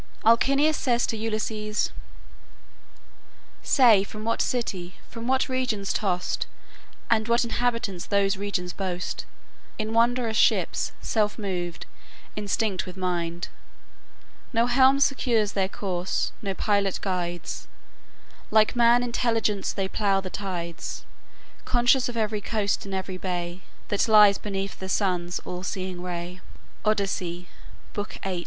Alcinous says to Ulysses: "Say from what city, from what regions tossed, And what inhabitants those regions boast? So shalt thou quickly reach the realm assigned, In wondrous ships, self moved, instinct with mind; No helm secures their course, no pilot guides; Like man intelligent they plough the tides, Conscious of every coast and every bay That lies beneath the sun's all seeing ray." Odyssey, Book VIII.